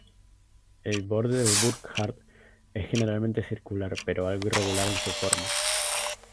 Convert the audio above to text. El borde de Burckhardt es generalmente circular pero algo irregular en su forma.